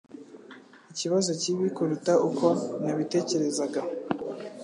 Ikibazo kibi kuruta uko nabitekerezaga.